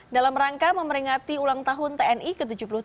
dalam rangka memperingati ulang tahun tni ke tujuh puluh tujuh